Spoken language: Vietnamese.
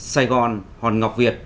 sài gòn hòn ngọc việt